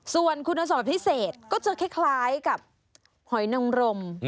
ส่วนคุณสมบัติพิเศษก็จะคล้ายกับหอยนังรม